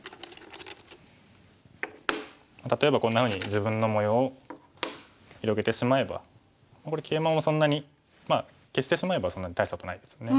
例えばこんなふうに自分の模様を広げてしまえばこれケイマもそんなにまあ消してしまえばそんなに大したことないですよね。